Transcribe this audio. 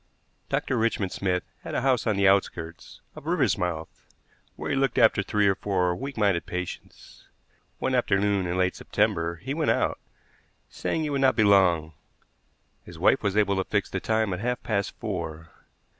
Dr. Richmond Smith had a house on the outskirts of Riversmouth, where he looked after three or four weak minded patients. One afternoon in late September he went out, saying he would not be long. His wife was able to fix the time at half past four.